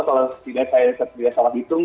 kalau tidak saya tidak salah hitung